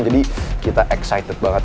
jadi kita excited banget